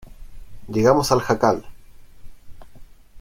llegamos al jacal.